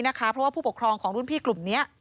เพราะว่าผู้ปกครองของรุ่นพี่กลุ่มนี้